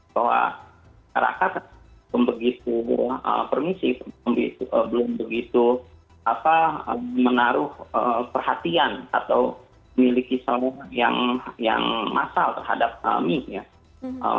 bahwa masyarakat belum begitu permisi belum begitu menaruh perhatian atau memiliki sebuah yang masal terhadap mie